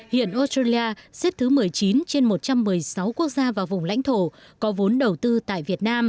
hiện australia xếp thứ một mươi chín trên một trăm một mươi sáu quốc gia và vùng lãnh thổ có vốn đầu tư tại việt nam